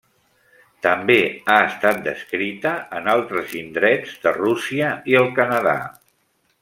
També ha estat descrita en altres indrets de Rússia i el Canadà.